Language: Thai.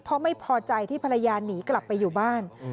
เพราะไม่พอใจที่ภรรยาหนีกลับไปอยู่บ้าน